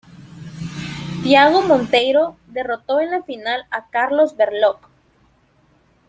Thiago Monteiro derrotó en la final a Carlos Berlocq.